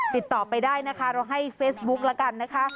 ติดต่อไปได้นะคะเราให้เฟซบุ๊กแล้วกันนะคะ